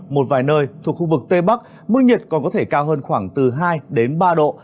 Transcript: một vài nơi thuộc khu vực tây bắc mức nhiệt còn có thể cao hơn khoảng từ hai đến ba độ